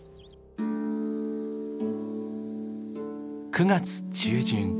９月中旬。